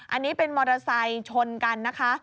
อันนี้เป็นมอเตอร์ไซค์ชนกันนะคะ